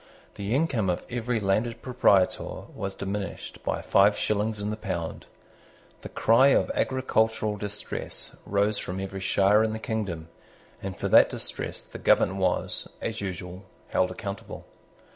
The income of every landed proprietor was diminished by five shillings in the pound. The cry of agricultural distress rose from every shire in the kingdom; and for that distress the government was, as usual, held accountable.